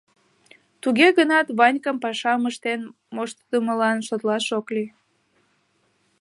Туге гынат Ванькам пашам ыштен моштыдымылан шотлаш ок лий.